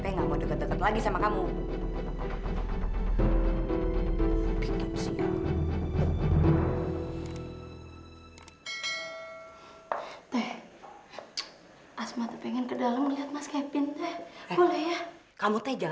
nook hebat duduk dekat ini